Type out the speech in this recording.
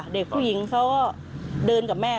เหมือนชื่นนอกนะคะ